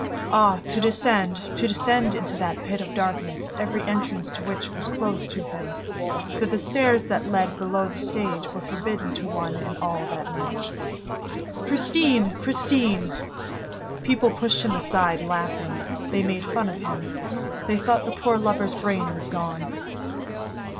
Ah, to descend, to descend into that pit of darkness every entrance to which was closed to him, ... for the stairs that led below the stage were forbidden to one and all that night! "Christine! Christine! ..." People pushed him aside, laughing. They made fun of him. They thought the poor lover's brain was gone!